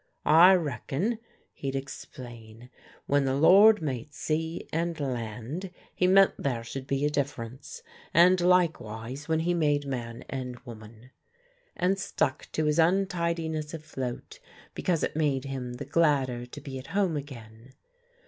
"I reckon," he'd explain, "when the Lord made sea and land He meant there should be a difference, and likewise when He made man and woman," and stuck to his untidiness afloat because it made him the gladder to be at home again.